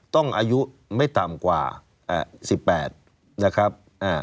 อายุไม่ต่ำกว่า๑๘นะครับ